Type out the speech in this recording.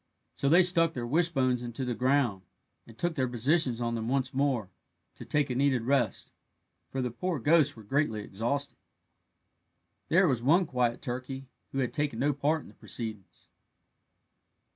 So they stuck their wishbones into the ground, and took their positions on them once more, to take a needed rest, for the poor ghosts were greatly exhausted. There was one quiet turkey who had taken no part in the proceedings.